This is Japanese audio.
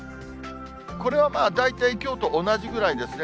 これはまあ大体きょうと同じぐらいですね。